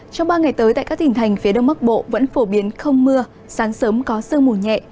trong ba ngày tới tại các tỉnh thành phía đông bắc bộ vẫn phổ biến không mưa sáng sớm có sương mù nhẹ